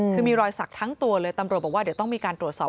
คือมีรอยสักทั้งตัวเลยตำรวจบอกว่าเดี๋ยวต้องมีการตรวจสอบ